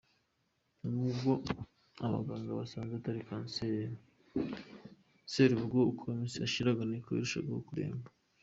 Nubwo abaganga basanze atari kanseri, Serubogo uko iminsi yashiraga niko yarushagaho kuremba.